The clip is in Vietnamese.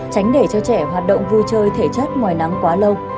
tránh để cho trẻ hoạt động vui chơi thể chất ngoài nắng quá lâu